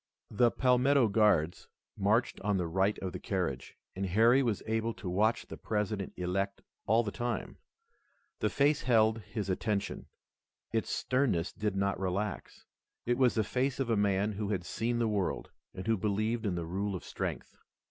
The Palmetto Guards marched on the right of the carriage, and Harry was able to watch the President elect all the time. The face held his attention. Its sternness did not relax. It was the face of a man who had seen the world, and who believed in the rule of strength.